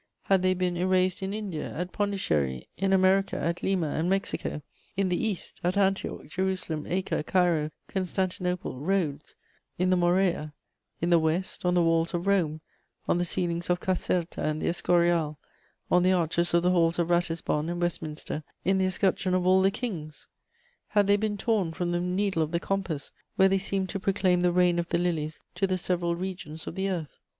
Had they been erased in India, at Pondichéry; in America, at Lima and Mexico; in the East, at Antioch, Jerusalem, Acre, Cairo, Constantinople, Rhodes, in the Morea; in the West, on the walls of Rome, on the ceilings of Caserta and the Escurial, on the arches of the halls of Ratisbon and Westminster, in the escutcheon of all the kings? Had they been torn from the needle of the compass, where they seemed to proclaim the reign of the lilies to the several regions of the earth?